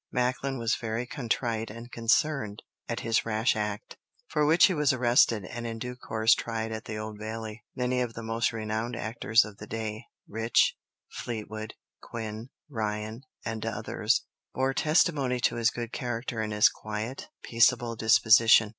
Macklin was very contrite and concerned at his rash act, for which he was arrested, and in due course tried at the Old Bailey. Many of the most renowned actors of the day, Rich, Fleetwood, Quin, Ryan, and others, bore testimony to his good character and his quiet, peaceable disposition.